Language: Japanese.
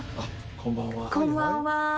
こんばんは。